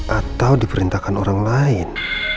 atau diperintahkan orang lain